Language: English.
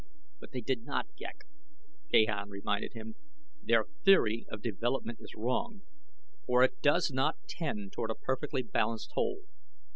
"But they did not, Ghek," Gahan reminded him. "Their theory of development is wrong, for it does not tend toward a perfectly balanced whole.